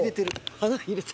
鼻入れた。